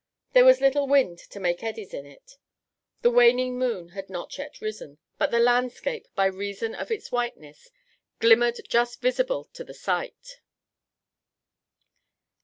There was little wind to make eddies in it. The waning moon had not yet risen, but the landscape, by reason of its whiteness, glimmered just visible to the sight.